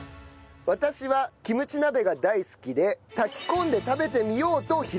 私はキムチ鍋が大好きで炊き込んで食べてみようとひらめきました。